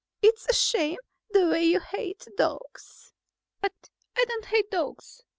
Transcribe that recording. It's a shame, the way you hate dogs!" "But I don't hate dogs!"